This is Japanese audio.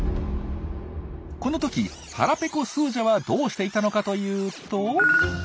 このとき腹ペコスージャはどうしていたのかというと。